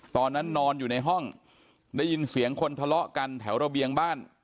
นอนอยู่ในห้องได้ยินเสียงคนทะเลาะกันแถวระเบียงบ้าน